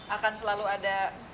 akan selalu ada